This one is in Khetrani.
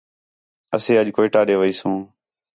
اَسے اَڄ کوئٹہ دے ویسوں